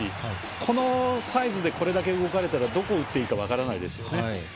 このサイズでこれだけ動かれたらどこに打っていいか分からないですよね。